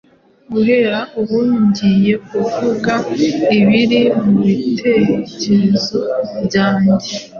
Guhera ubu ngiye kuvuga ibiri mubitekerezo byanjye.